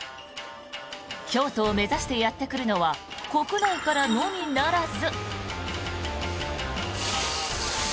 京都を目指してやってくるのは国内からのみならず。